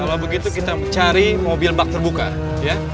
kalau begitu kita cari mobil bak terbuka ya